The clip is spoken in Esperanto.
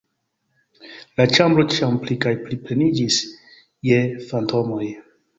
La ĉambro ĉiam pli kaj pli pleniĝis je fantomoj.